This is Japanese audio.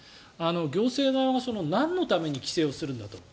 行政側がなんのために規制をするんだと。